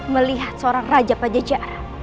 melihat seorang raja pajajara